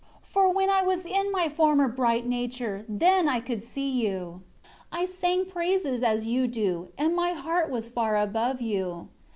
For when I was in my former bright nature, then I could see you. I sang praises as you do; and my heart was far above you.